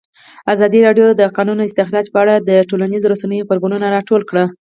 ازادي راډیو د د کانونو استخراج په اړه د ټولنیزو رسنیو غبرګونونه راټول کړي.